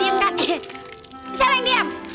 siapa yang diem